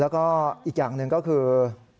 แล้วก็อีกอย่างหนึ่งก็คือ